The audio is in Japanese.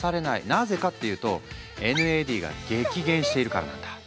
なぜかっていうとＮＡＤが激減しているからなんだ。